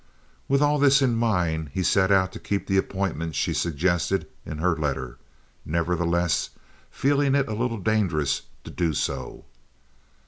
With all this in mind he set out to keep the appointment she suggested in her letter, nevertheless feeling it a little dangerous to do so.